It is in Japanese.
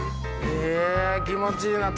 え気持ちいいな。